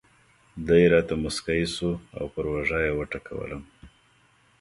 دی راته مسکی شو او پر اوږه یې وټکولم.